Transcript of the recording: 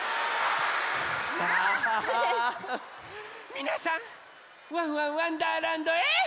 みなさん「ワンワンわんだーらんど」へ。